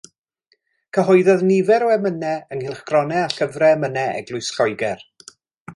Cyhoeddodd nifer o emynau yng nghylchgronau a llyfrau emynau Eglwys Lloegr.